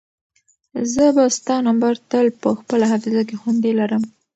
زه به ستا نمبر تل په خپل حافظه کې خوندي لرم.